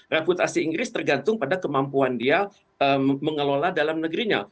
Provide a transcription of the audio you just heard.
rekrutasi inggris tergantung pada kemampuan beliau mengelola dalam negerinya